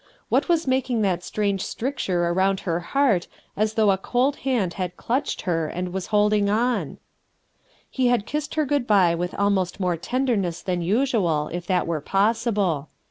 U ^ at "" as maJdn & that strange stricture around her heart as though a cold hand bad clutched her and was holding on ? He had kissed her good by with almost more tenderness than usual, if that were possible.